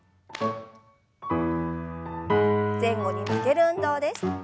前後に曲げる運動です。